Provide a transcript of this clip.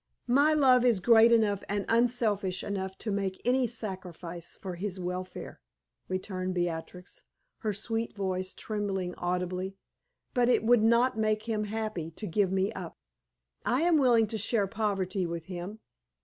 "My love is great enough and unselfish enough to make any sacrifice for his welfare," returned Beatrix, her sweet voice trembling audibly; "but it would not make him happy to give me up. I am willing to share poverty with him.